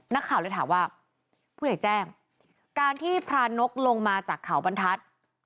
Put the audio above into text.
นักข่าวเลยถามว่าผู้ใหญ่แจ้งการที่พรานกลงมาจากเขาบรรทัศน์